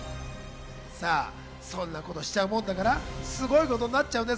そんなことしちゃうもんだから、すごいことになっちゃうんです。